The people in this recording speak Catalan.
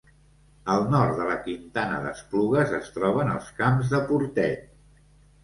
Al nord de la Quintana d'Esplugues es troben els Camps de Portet.